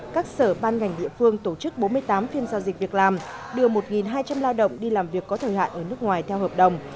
các sở ban ngành địa phương tổ chức bốn mươi tám phiên giao dịch việc làm đưa một hai trăm linh lao động đi làm việc có thời hạn ở nước ngoài theo hợp đồng